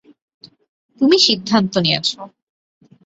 তুমি সিদ্ধান্ত নিয়েছ।